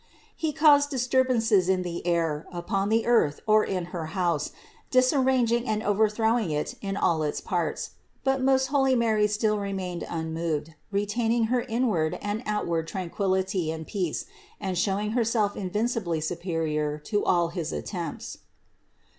He caused disturb ances in the air, upon the earth, or in her house, dis arranging and overthrowing it in all its parts; but most holy Mary still remained unmoved, retaining her inward and outward tranquillity and peace and showing Herself invincibly superior to all his attempts.